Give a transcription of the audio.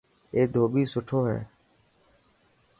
اي ڌوٻي سٺو هي.